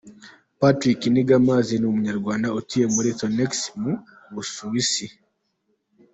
Patrick Kinigamazi ni umunyarwanda utuye muri Thonex mu Busuwisi.